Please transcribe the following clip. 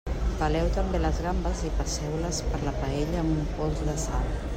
Peleu també les gambes i passeu-les per la paella amb un pols de sal.